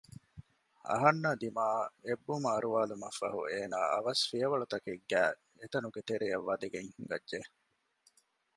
އަހަންނާ ދިމާއަށް އެއްބުމަ އަރުވާލުމަށްފަހު އޭނާ އަވަސް ފިޔަވަޅުތަކެއްގައި އެތަނުގެ ތެރެއަށް ވަދަގެން ހިނގައްޖެ